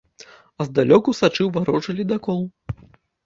А здалёку сачыў варожы ледакол.